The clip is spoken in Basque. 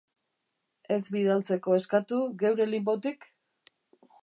Ez bidaltzeko eskatu, geure linbotik?